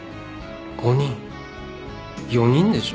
５人４人でしょ？